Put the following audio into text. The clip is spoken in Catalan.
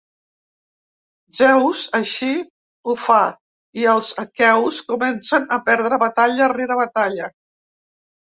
Zeus així ho fa i els aqueus comencen a perdre batalla rere batalla.